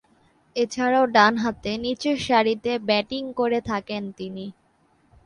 এছাড়াও, ডানহাতে নিচেরসারিতে ব্যাটিং করে থাকেন তিনি।